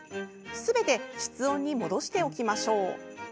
全て室温に戻しておきましょう。